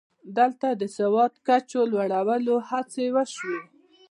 دلته د سواد کچې لوړولو هڅې وشوې